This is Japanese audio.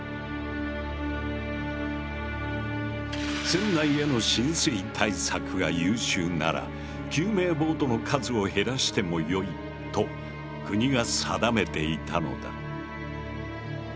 船内への浸水対策が優秀なら救命ボートの数を減らしてもよいと国が定めていたのだ。